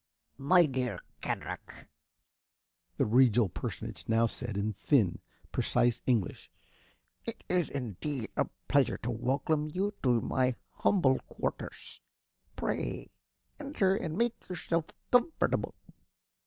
"My dear Kendrick!" the regal personage now said, in thin, precise English. "It is indeed a pleasure to welcome you to my humble quarters. Pray enter and make yourself comfortable."